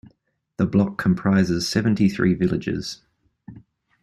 The block comprises seventy-three villages.